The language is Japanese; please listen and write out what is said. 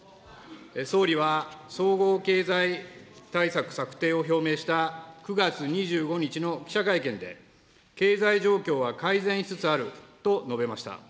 総理は、総合経済対策策定を表明した９月２５日の記者会見で、経済状況は改善しつつあると述べました。